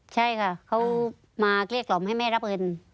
ใช่ค่ะเขามาเกลี้ยกล่อมให้แม่รับเงิน